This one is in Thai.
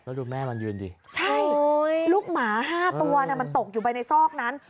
แล้วดูแม่มันยืนดิใช่ลูกหมา๕ตัวมันตกอยู่ไปในซอกนั้น